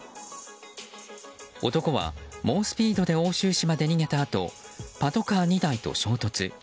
男は猛スピードで奥州市まで逃げたあとパトカー２台と衝突。